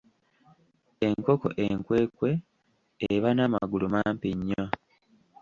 Enkoko enkwekwe eba n’amagulu mampi nnyo.